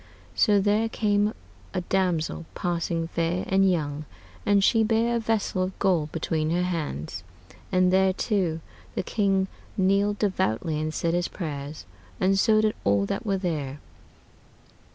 So there came a damosell, passing faire and young, and she beare a vessell of gold between her hands, and thereto the king kneeled devoutly and said his prayers, and so did all that were there.